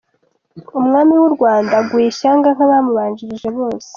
Umwami w’u Rwanda aguye i Shyanga, nk’abamubanjirije bose.